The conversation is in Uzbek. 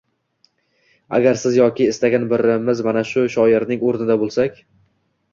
Agar Siz yoki istagan birimiz mana shu shoirning o‘rnida bo‘lsak